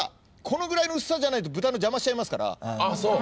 このぐらいの薄さじゃないと豚の邪魔しちゃいますからあっそう？